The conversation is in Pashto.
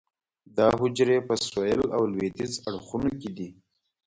دا حجرې په سویل او لویدیځ اړخونو کې دي.